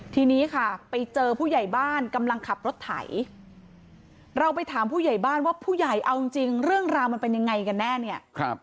ทีนี้ค่ะไปเจอผู้ใหญ่บ้านกำลังขับรถไถเราไปถามผู้ใหญ่บ้านว่าผู้ใหญ่เอาจริงเรื่องราวมันเป็นยังไงกันแน่เนี่ย